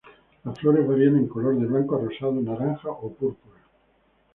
Las flores varían en color de blanco a rosado, naranja o púrpura.